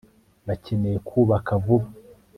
bakeneye kubaka vuba